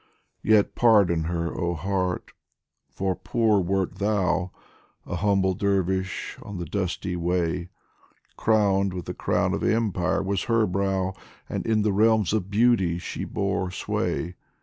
Yet pardon her, oh Heart, for poor wert thou, A humble dervish on the dusty way ; Crowned with the crown of empire was her brow, And in the realms of beauty she bore sway.